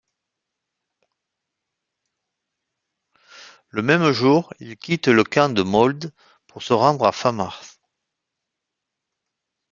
Le même jour, il quitte le camp de Maulde pour se rendre à Famars.